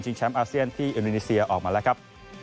แชมป์อาเซียนที่อินโดนีเซียออกมาแล้วครับ